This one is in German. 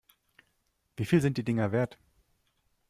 Wie viel sind die Dinger wert?